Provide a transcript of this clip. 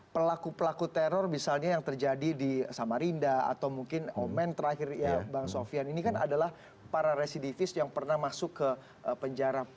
pelaku pelaku teror misalnya yang terjadi di samarinda atau mungkin omen terakhir ya bang sofian ini kan adalah para residivis yang pernah masuk ke penjara